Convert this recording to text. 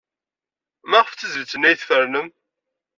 Maɣef d tizlit-nni ay tfernem?